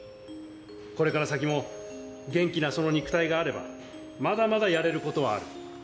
これから先も元気なその肉体があれば、まだまだやれることはある。